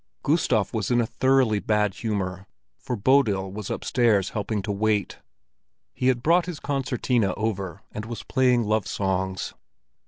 Gustav was in a thoroughly bad humor, for Bodil was upstairs helping to wait. He had brought his concertina over, and was playing love songs.